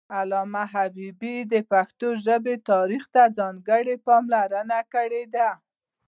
علامه حبيبي د پښتو ژبې تاریخ ته ځانګړې پاملرنه کړې ده